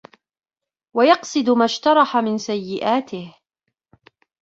وَيَقْصِدَ مَا اجْتَرَحَ مِنْ سَيِّئَاتِهِ